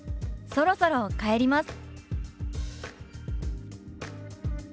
「そろそろ帰ります」。